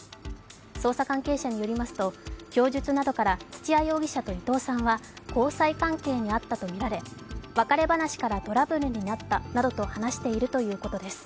捜査関係者によりますと供述などから土屋容疑者と伊藤さんは交際関係にあったとみられ別れ話からトラブルになったなどと話しているということです。